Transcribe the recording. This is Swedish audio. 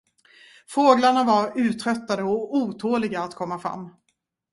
Fåglarna var uttröttade och otåliga att komma fram.